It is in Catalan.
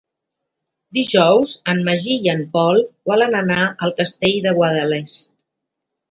Dijous en Magí i en Pol volen anar al Castell de Guadalest.